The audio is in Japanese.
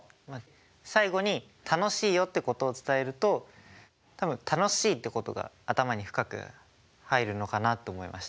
最後に「楽しいよ」ってことを伝えると多分「楽しい」ってことが頭に深く入るのかなって思いました。